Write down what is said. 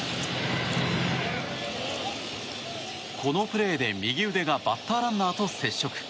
このプレーで右腕がバッターランナーと接触。